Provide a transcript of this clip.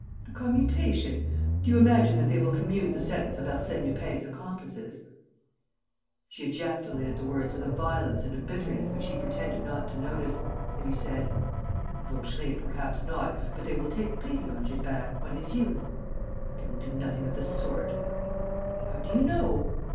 "The commutation? Do you imagine that they will commute the sentence of Arsène Lupin's accomplices?" She ejaculated the words with a violence and a bitterness which he pretended not to notice; and he said: "Vaucheray perhaps not.... But they will take pity on Gilbert, on his youth...." "They will do nothing of the sort." "How do you know?"